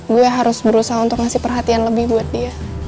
gue harus berusaha untuk ngasih perhatian lebih buat dia